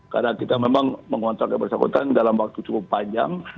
karena kita memang mengontrol ke persyakotan dalam waktu cukup panjang